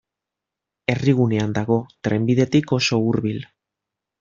Herrigunean dago, trenbidetik oso hurbil.